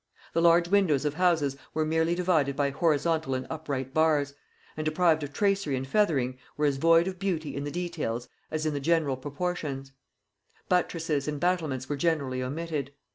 The large windows of houses were merely divided by horizontal and upright bars, and, deprived of tracery and feathering, were as void of beauty in the details as in the general proportions; buttresses and battlements were generally omitted.